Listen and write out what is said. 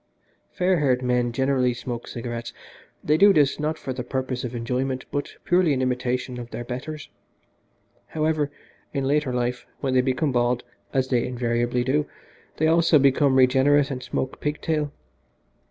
Fair haired men generally smoke cigarettes they do this, not for the purpose of enjoyment, but purely in imitation of their betters. However, in later life, when they become bald, as they invariably do, they also became regenerate and smoke pig tail.